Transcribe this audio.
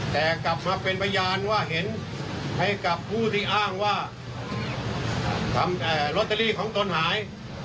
แต่กลับมาเป็นพยานว่าเห็นให้กับผู้ที่อ้างว่าทำลอตเตอรี่ของตนหาย